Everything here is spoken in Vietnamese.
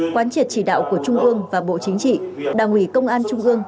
quán triệt chỉ đạo của trung ương và bộ chính trị đảng ủy công an trung ương